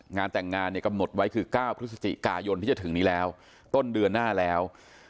งานแต่งงานเนี่ยกำหนดไว้คือ๙พฤศจิกายนที่จะถึงนี้แล้วต้นเดือนหน้าแล้ว